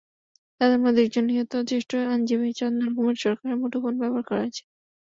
তাঁদের মধ্যে একজন নিহত জ্যেষ্ঠ আইনজীবী চন্দন কুমার সরকারের মুঠোফোন ব্যবহার করেছেন।